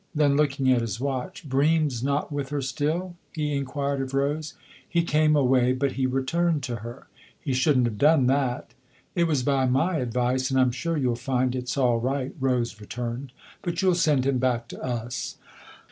Then look ing at his watch, " Bream's not with her still ?" he inquired of Rose. " He came away, but he returned to her." " He shouldn't have done that." " It was by my advice, and I'm sure you'll find it's all right," Rose returned. " But you'll send him back to us."